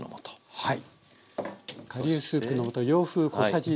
はい。